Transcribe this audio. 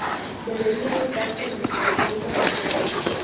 Debería evitarse el desplazamiento casual.